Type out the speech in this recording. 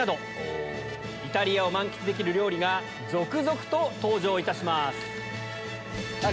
イタリアを満喫できる料理が続々と登場いたします。